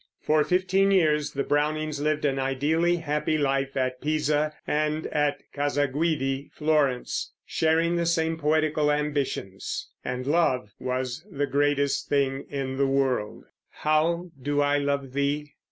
For fifteen years the Brownings lived an ideally happy life at Pisa, and at Casa Guidi, Florence, sharing the same poetical ambitions. And love was the greatest thing in the world, How do I love thee?